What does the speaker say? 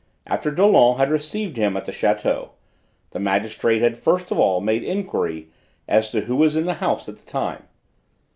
After Dollon had received him at the château, the magistrate had first of all made enquiry as to who was in the house at the time.